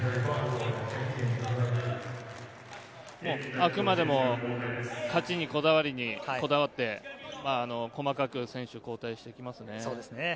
あくまでも勝ちにこだわりにこだわって、細かく選手交代していますね。